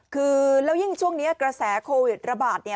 คือแล้วยิ่งช่วงนี้กระแสโควิดระบาด